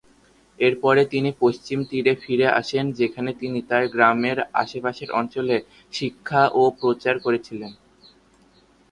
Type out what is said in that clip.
এরপরে তিনি পশ্চিম তীরে ফিরে আসেন, যেখানে তিনি তাঁর গ্রামের আশেপাশের অঞ্চলে শিক্ষা ও প্রচার করেছিলেন।